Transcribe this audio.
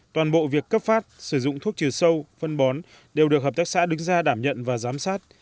toàn bộ việc cấp phát sử dụng thuốc trừ sâu phân bón đều được hợp tác xã đứng ra đảm nhận và giám sát